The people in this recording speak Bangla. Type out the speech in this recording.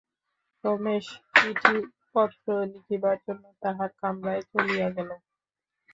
রমেশ চিঠিপত্র লিখিবার জন্য তাহার কামরায় চলিয়া গেল।